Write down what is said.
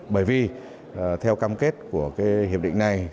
bởi vì theo cam kết của hiệp định này